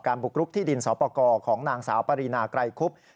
การบุกรุกที่ดินสปกของนางสาวปารีนากรัยคุบ